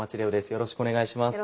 よろしくお願いします。